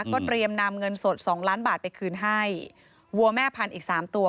ก็เตรียมนำเงินสดสองล้านบาทไปคืนให้วัวแม่พันธุ์อีกสามตัว